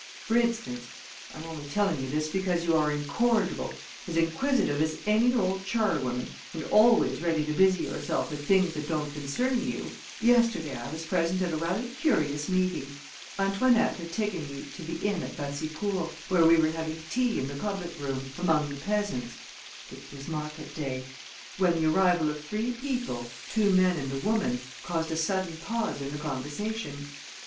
For instance (I am only telling you this because you are incorrigible, as inquisitive as any old charwoman, and always ready to busy yourself with things that don't concern you), yesterday I was present at a rather curious meeting. Antoinette had taken me to the inn at Bassicourt, where we were having tea in the public room, among the peasants (it was market day), when the arrival of three people, two men and a woman, caused a sudden pause in the conversation.